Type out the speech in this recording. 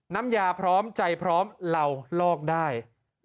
น้ำยาพร้อมใจพร้อมเราลอกได้